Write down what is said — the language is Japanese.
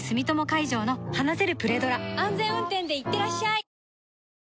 安全運転でいってらっしゃい